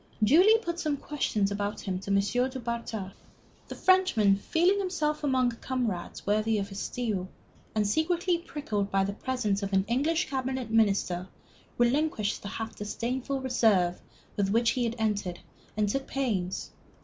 Julie put some questions about him to M. du Bartas. The Frenchman feeling himself among comrades worthy of his steel, and secretly pricked by the presence of an English cabinet minister, relinquished the half disdainful reserve with which he had entered, and took pains.